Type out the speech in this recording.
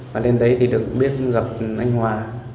và lên đấy thì được biết gặp anh hòa